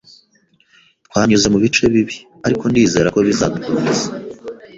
Twanyuze mubice bibi, ariko ndizera ko bizadukomeza.